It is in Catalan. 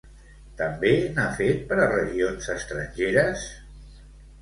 També n'ha fet per a regions estrangeres?